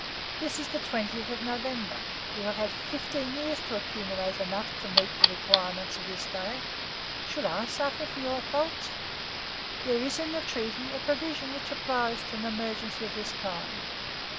This is the twentieth of November. You have had fifteen years to accumulate enough to meet the requirements of this day. Should I suffer for your faults? There is in the treaty a provision which applies to an emergency of this kind.